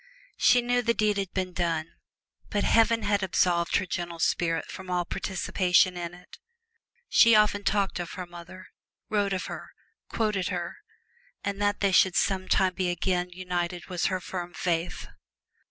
She knew the deed had been done, but Heaven had absolved her gentle spirit from all participation in it. She often talked of her mother, wrote of her, quoted her, and that they should sometime be again united was her firm faith.